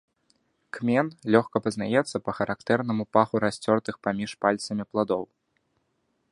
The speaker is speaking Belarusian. Кмен лёгка пазнаецца па характэрнаму паху расцёртых паміж пальцамі пладоў.